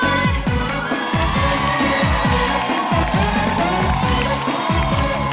เสียบรรยาภาพ